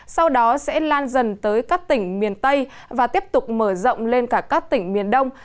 sau đó sẽ lan dần tới các tỉnh miền tây và tiếp tục mở rộng lên cả các tỉnh miền đông